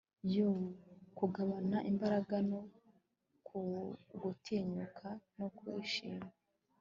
yoo! kugabana imbaraga no gutinyuka no kwishima